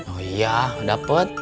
oh iya dapet